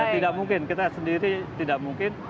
tidak mungkin kita sendiri tidak mungkin